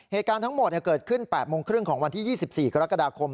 เหตุการณ์ทั้งหมดเกิดขึ้น๘โมงครึ่งของวันที่๒๔กรกฎาคม